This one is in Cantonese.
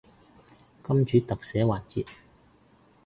金主特寫環節